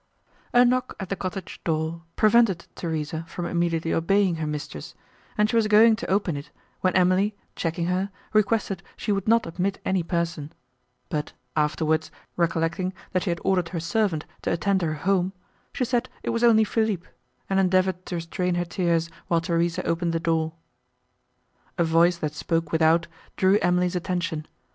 A knock at the cottage door prevented Theresa from immediately obeying her mistress, and she was going to open it, when Emily, checking her, requested she would not admit any person; but, afterwards, recollecting, that she had ordered her servant to attend her home, she said it was only Philippe, and endeavoured to restrain her tears, while Theresa opened the door. A voice, that spoke without, drew Emily's attention.